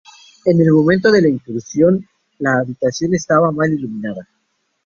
En el momento de la incursión, la habitación estaba mal iluminada.